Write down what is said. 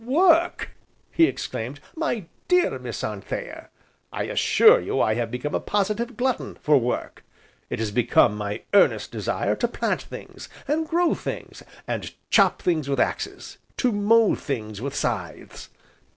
"Work!" he exclaimed, "my dear Miss Anthea, I assure you I have become a positive glutton for work. It has become my earnest desire to plant things, and grow things, and chop things with axes; to mow things with scythes.